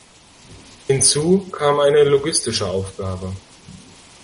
Hinzu kam eine logistische Aufgabe.